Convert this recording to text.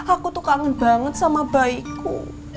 aku tuh kangen banget sama bayiku